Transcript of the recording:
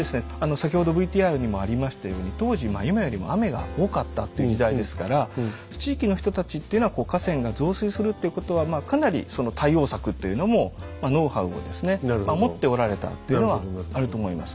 先ほどＶＴＲにもありましたように当時今よりも雨が多かったっていう時代ですから地域の人たちっていうのは河川が増水するっていうことはかなりその対応策というのもノウハウをですね持っておられたっていうのはあると思います。